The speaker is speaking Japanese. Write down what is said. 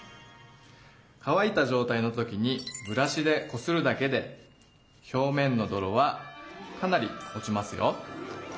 乾いたじょうたいの時にブラシでこするだけで表面のどろはかなり落ちますよ。